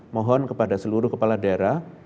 mohon kepada seluruh kepala daerah